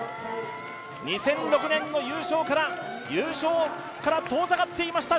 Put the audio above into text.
２００６年の優勝から、優勝から遠ざかっていました